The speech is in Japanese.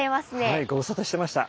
はいご無沙汰してました。